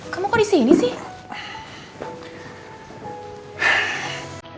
kamu kok di sini sih